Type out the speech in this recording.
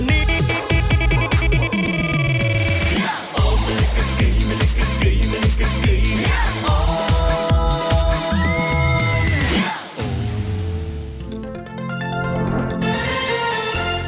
โอ้ไม่เล็กกะเก๋ไม่เล็กกะเก๋ไม่เล็กกะเก๋